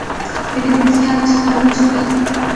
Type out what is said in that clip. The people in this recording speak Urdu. لیکن اب اس کی حالت خراب ہو چکی ہے۔